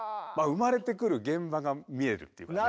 生まれてくる現場が見えるっていうかね。